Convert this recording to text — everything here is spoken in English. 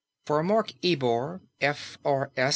For Mark Ebor, F.R.S.